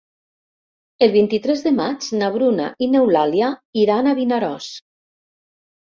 El vint-i-tres de maig na Bruna i n'Eulàlia iran a Vinaròs.